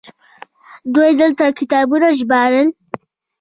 دوی دلته کتابونه ژباړل